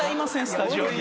スタジオに。